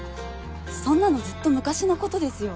そんなのずっと昔のことですよ。